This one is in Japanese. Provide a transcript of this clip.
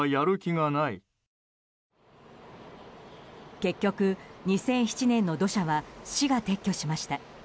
結局２００７年の土砂は市が撤去しました。